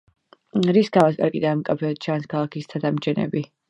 რის გამოც პარკიდან მკაფიოდ ჩანს ქალაქის ცათამბჯენები.